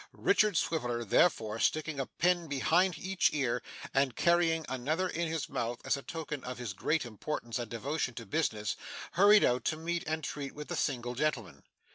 Richard Swiveller, therefore, sticking a pen behind each ear, and carrying another in his mouth as a token of his great importance and devotion to business, hurried out to meet and treat with the single gentleman.